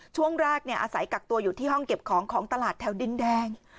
ช่วงแรกอาศัยกักตัวอยู่ที่ห้องเก็บของของตลาดแถวดินแดง